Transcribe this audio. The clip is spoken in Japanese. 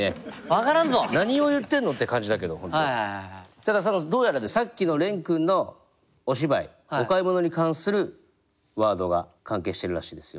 ただどうやらさっきの廉君のお芝居お買い物に関するワードが関係してるらしいですよ。